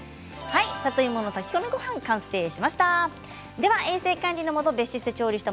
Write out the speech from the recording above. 里芋の炊き込みごはん完成しました。